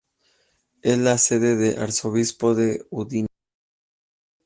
Es la sede del Arzobispo de Udine.